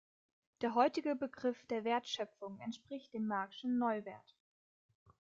Der heutige Begriff der Wertschöpfung entspricht dem Marxschen Neuwert.